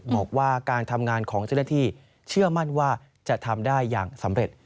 บอกว่าการทำงานของเจ้าหน้าที่เชื่อมั่นว่าจะทำได้อย่างสำเร็จ